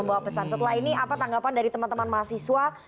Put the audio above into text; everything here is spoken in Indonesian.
apa tanggapan dari teman teman mahasiswa